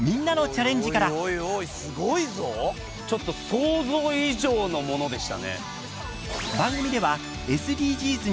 ちょっと想像以上のものでしたね。